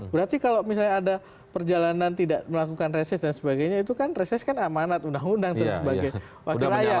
berarti kalau misalnya ada perjalanan tidak melakukan reses dan sebagainya itu kan reses kan amanat undang undang dan sebagainya wakil rakyat